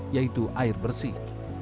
yaitu air bersih